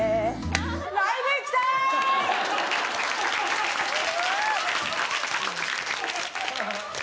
ライブ行きたーい！